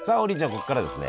ここからですね